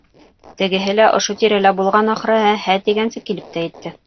Тегеһе лә ошо тирәлә булған, ахырыһы, «һә» тигәнсе килеп тә етте.